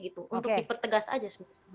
untuk dipertegas saja